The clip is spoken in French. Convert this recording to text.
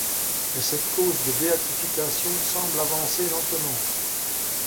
Mais cette cause de béatification semble avancer lentement.